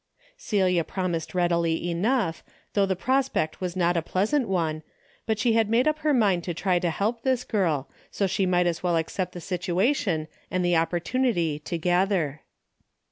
Celia promised readily enough, though the prospect was not a pleasant one, but she had made up her mind to try to help this girl, so she might as well accept the situation and the opportunity together.